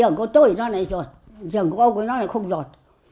nó này rột giường gốc của nó này không rột